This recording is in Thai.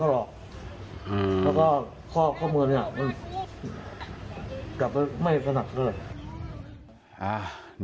อ๋อแล้วก็ข้อมือเนี้ยกลับไปไม่สนับเลย